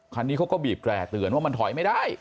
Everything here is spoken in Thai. คันนี้เขาก็บีบแร่เตือนว่ามันถอยไม่ได้